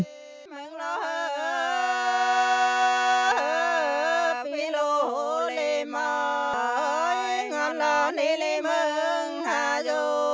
nếu bạn thích hãy subscribe cho kênh ghiền mì gõ để không bỏ lỡ những video hấp dẫn